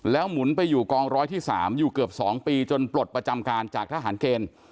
หมุนไปอยู่กองร้อยที่๓อยู่เกือบ๒ปีจนปลดประจำการจากทหารเกณฑ์